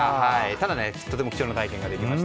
ただ、貴重な体験ができました。